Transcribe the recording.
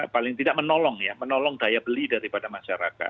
paling tidak menolong ya menolong daya beli daripada masyarakat